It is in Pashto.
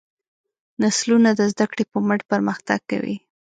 نسلونه د زدهکړې په مټ پرمختګ کوي.